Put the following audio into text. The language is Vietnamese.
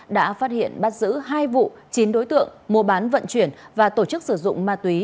đã phát hiện bắt giữ hai vụ chín đối tượng mua bán vận chuyển và tổ chức sử dụng ma túy